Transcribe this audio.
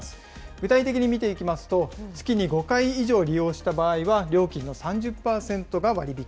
具体的に見ていきますと、月に５回以上利用した場合は料金の３０％が割引。